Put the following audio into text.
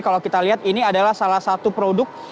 kalau kita lihat ini adalah salah satu produk